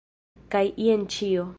Kaj jen ĉio.